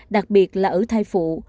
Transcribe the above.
đặc biệt là ở thai phụ